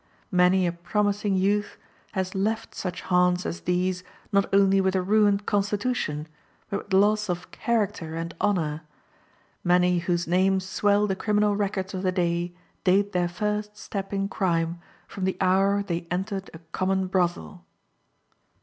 Many a promising youth has left such haunts as these not only with a ruined constitution, but with loss of character and honor; many whose names swell the criminal records of the day date their first step in crime from the hour they entered a common brothel.